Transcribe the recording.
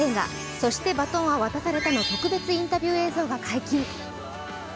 「そして、バトンは渡された」の特別インタビュー映像が解禁。